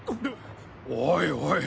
おいおい。